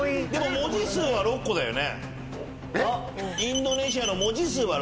文字数は６だよね。